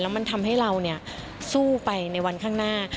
มันทำให้เราสู้ไปในวันข้างหน้า